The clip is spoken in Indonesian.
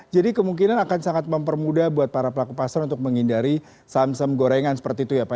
jadi kemungkinan akan sangat mempermudah buat para pelaku pasar untuk menghindari saham saham gorengan seperti itu ya pak